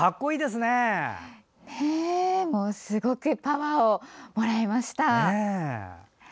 すごくパワーをもらいました。